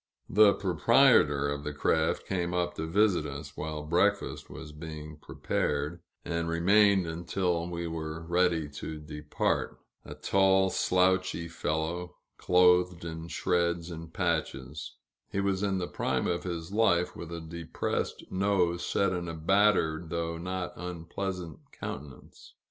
The proprietor of the craft came up to visit us, while breakfast was being prepared, and remained until we were ready to depart a tall, slouchy fellow, clothed in shreds and patches; he was in the prime of life, with a depressed nose set in a battered, though not unpleasant countenance.